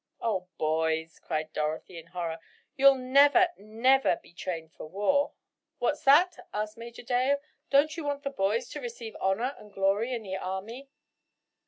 "Oh, boys!" cried Dorothy, in horror, "you'll never, never be trained for war." "What's that?" asked Major Dale. "Don't you want the boys to receive honor and glory in the army?"